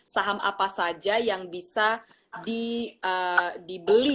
saham apa saja yang bisa dibeli